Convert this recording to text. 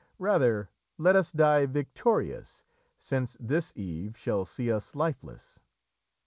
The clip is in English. Rather let us die victorious, Since this eve shall see us lifeless!